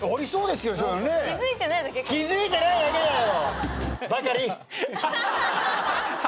気付いてないだけだよ。